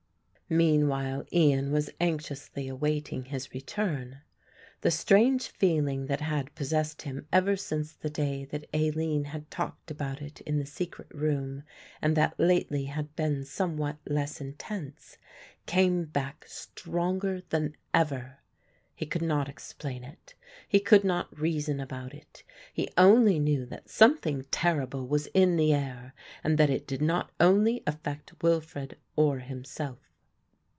Meanwhile Ian was anxiously awaiting his return. The strange feeling that had possessed him ever since the day that Aline had talked about it in the secret room and that lately had been somewhat less intense, came back stronger than ever. He could not explain it, he could not reason about it, he only knew that something terrible was in the air and that it did not only affect Wilfred or himself.